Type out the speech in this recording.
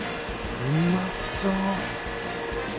うまそう。